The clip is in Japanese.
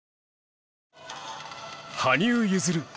羽生結弦